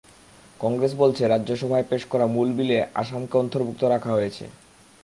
কংগ্রেস বলছে, রাজ্যসভায় পেশ করা মূল বিলে আসামকে অন্তর্ভুক্ত রাখা হয়েছে।